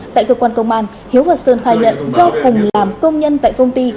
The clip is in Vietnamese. tại cơ quan công an hiếu và sơn khai nhận do cùng làm công nhân tại công ty